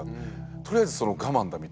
とりあえずその我慢だみたいな。